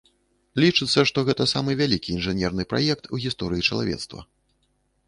Лічыцца, што гэта самы вялікі інжынерны праект у гісторыі чалавецтва.